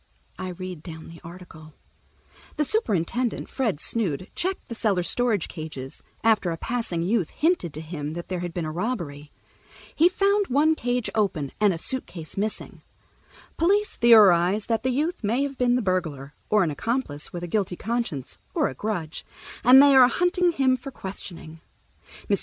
I read down the article: "The superintendent, Fred Snood, checked the cellar storage cages, after a passing youth hinted to him that there had been a robbery. He found one cage open and a suitcase missing. Police theorize that the youth may have been the burglar, or an accomplice with a guilty conscience or a grudge, and they are hunting him for questioning. Mr.